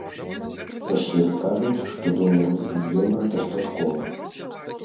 Касіры кажуць, што долараў і еўра дастаткова.